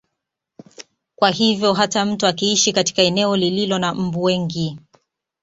Kwa hivyo hata mtu akiishi katika eneo lililo na mbu wengi